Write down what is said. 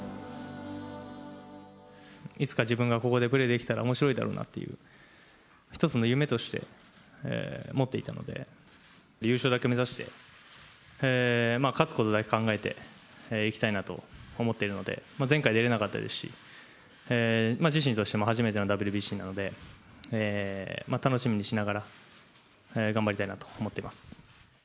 いつか自分がここでプレー出来たらおもしろいだろうなっていう、一つの夢として持っていたので、優勝だけ目指して、勝つことだけ考えていきたいなと思っているので、前回、出れなかったですし、自身としても初めてのＷＢＣなので、楽しみにしながら、頑張りたいなと思っています。